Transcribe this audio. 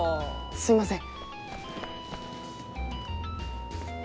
すいません。